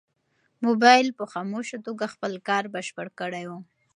موبایل په خاموشه توګه خپل کار بشپړ کړی و.